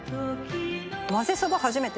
まぜそば初めて。